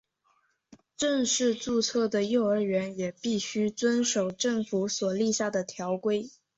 正式注册的幼儿园也必须遵守政府所立下的条规。